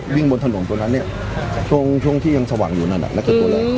วิ่งบนถนนตรงนั้นเนี่ยช่วงที่ยังสว่างอยู่นั่นอ่ะนั่นคือตัวแรก